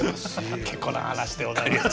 結構な話でございます。